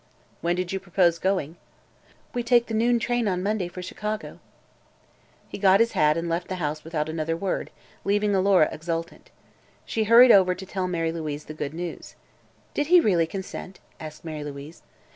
"When did you propose going?" "We take the noon train on Monday for Chicago." He got his hat and left the house without another word, leaving Alora exultant. She hurried over to tell Mary Louise the good news. "Did he really consent?" asked Mary Louise.